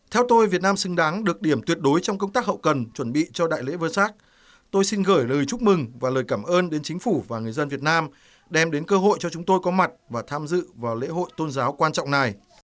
theo tôi việt nam xứng đáng được điểm tuyệt đối trong công tác hậu cần chuẩn bị cho đại lễ vơ sát tôi xin gửi lời chúc mừng và lời cảm ơn đến chính phủ và người dân việt nam đem đến cơ hội cho chúng tôi có mặt và tham dự vào lễ hội tôn giáo quan trọng này